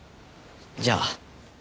じゃあ。